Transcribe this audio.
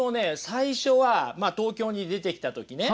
最初は東京に出てきた時ね